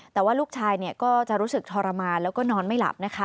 แต่ว่าลูกชายก็จะรู้สึกทรมานแล้วก็นอนไม่หลับนะคะ